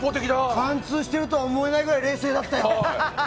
貫通していると思えないぐらい冷静だったよ。